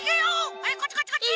はいこっちこっちこっち！